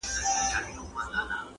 بیا یې د ایپي د مورچلونو ډېوې بلي کړې،